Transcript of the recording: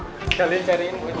kalian cariin gue nih